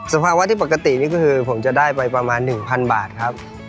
สภาวะที่ปกตินี่คือผมจะได้ไปประมาณหนึ่งพันบาทครับ